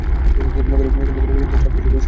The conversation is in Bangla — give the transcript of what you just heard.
কিন্তু গরিব মানুষের জন্য তো সবকিছুই কঠিন, তাই না?